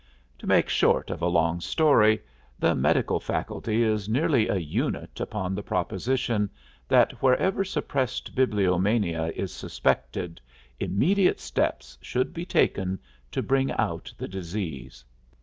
To make short of a long story, the medical faculty is nearly a unit upon the proposition that wherever suppressed bibliomania is suspected immediate steps should be taken to bring out the disease.